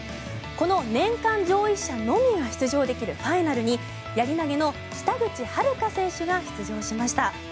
この年間上位者のみが出場できるファイナルにやり投の北口榛花選手が出場しました。